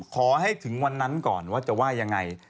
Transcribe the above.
ขอให้ถึงวันนั้นก่อนว่าจะว่ายังไง